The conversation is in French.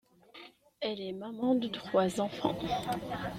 Elle est maman de trois enfants.